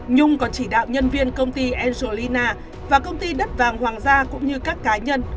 nhung còn chỉ đạo nhân viên công ty angelina và công ty đất vàng hoàng gia cũng như các cá nhân